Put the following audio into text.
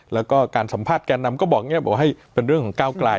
แล้วก็การสัมภาษณ์แกนนำก็บอกว่าเป็นเรื่องของก้าวไกล